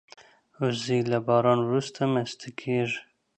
وزې له باران وروسته مستې کېږي